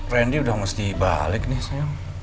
randy udah mesti balik nih saya